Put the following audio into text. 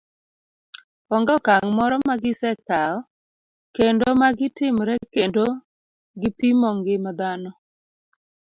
Ong'e okang' moro magi sekawo kendo magi timre kendo gi pimo ngima dhano.